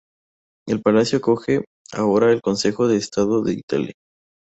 El Palacio acoge ahora el Consejo de Estado de Italia.